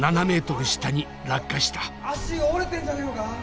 足折れてんじゃねえのか？